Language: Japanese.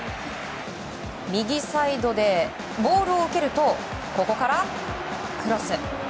右サイドでボールを受けるとここからクロス。